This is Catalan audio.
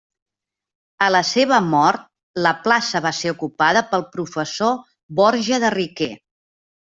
A la seva mort, la plaça va ser ocupada pel professor Borja de Riquer.